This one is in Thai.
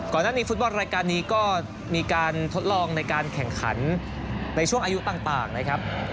แน่นอนฟุตบอลรายการนี้ก็มีการทดลองในการแข่งขันในช่วงอายุต่างนะครับ